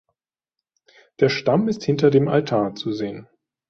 Der Stamm ist hinter dem Altar zu sehen.